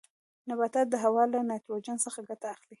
نباتات د هوا له نایتروجن څخه ګټه اخلي.